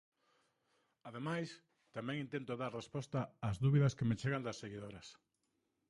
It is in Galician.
Ademais, tamén intento dar resposta ás dúbidas que me chegan das seguidoras.